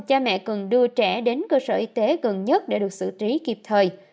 cha mẹ cần đưa trẻ đến cơ sở y tế gần nhất để được xử trí kịp thời